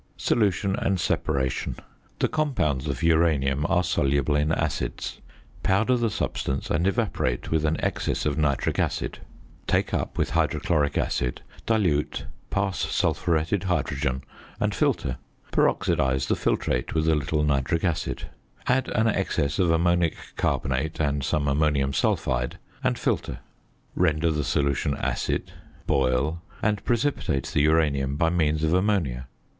~Solution and Separation.~ The compounds of uranium are soluble in acids. Powder the substance and evaporate with an excess of nitric acid. Take up with hydrochloric acid, dilute, pass sulphuretted hydrogen, and filter. Peroxidise the filtrate with a little nitric acid, add an excess of ammonic carbonate and some ammonium sulphide, and filter. Render the solution acid, boil; and precipitate the uranium by means of ammonia.